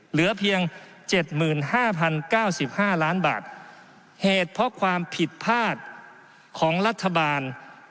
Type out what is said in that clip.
เหลือเพียง๗๕๐๙๕ล้านบาทเหตุเพราะความผิดพลาดของรัฐบาล